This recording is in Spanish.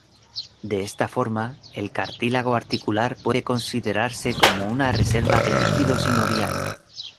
De esta forma el cartílago articular puede considerarse como una reserva de líquido sinovial.